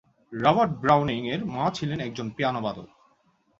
Robert Browning এর মা ছিলেন একজন পিয়ানোবাদক।